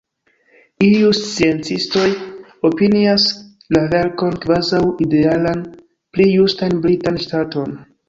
Iuj sciencistoj opinias la verkon kvazaŭ idealan, pli justan britan ŝtaton.